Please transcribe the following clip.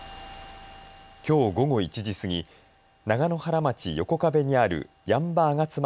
きょう午後１時過ぎ、長野原町横壁にある八ッ場あがつま